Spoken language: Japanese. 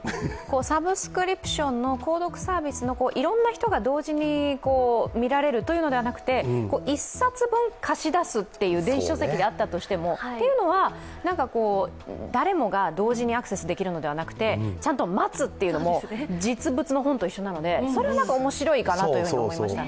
サブスクリプションの購読サービスのいろんな人が同時に見られるというのではなくて１冊分貸し出すという電子書籍であったとしても誰もが同時にアクセスできるのではなくてちゃんと待つというのも実物の本と一緒なのでこれは面白いかなと思いましたね。